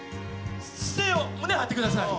姿勢を胸を張ってください。